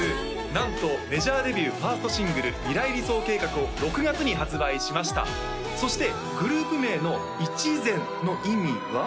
なんとメジャーデビュー１ｓｔシングル「未来理想計画」を６月に発売しましたそしてグループ名のいちぜん！の意味は？